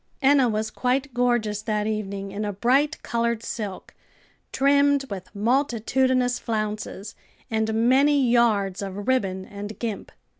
Enna was quite gorgeous that evening, in a bright colored silk, trimmed with multitudinous flounces and many yards of ribbon and gimp.